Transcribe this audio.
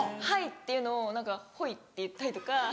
「はい」っていうのを「ほい」って言ったりとか。